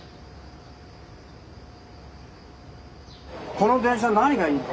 この電車何がいいの？